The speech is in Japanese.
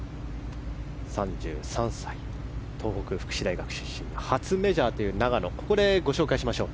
３３歳、東北福祉大学出身初メジャーという永野をここでご紹介しましょう。